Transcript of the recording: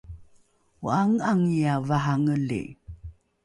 o’ange’angiae varangeli